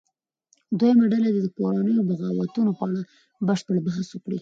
دویمه ډله دې د کورنیو بغاوتونو په اړه بشپړ بحث وکړي.